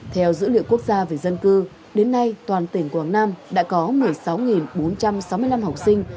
theo dữ liệu quốc gia về dân cư đến nay toàn tỉnh quảng nam đã có một mươi sáu bốn trăm sáu mươi năm học sinh